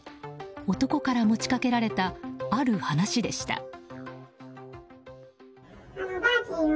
男から持ち掛けられたある話でした。